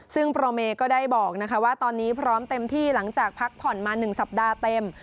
ซึ่งโปรเมก็ได้บอกว่าตอนนี้พร้อมเต็มที่หลังจากพักผ่อนมา๑สัปดาห์เต็ม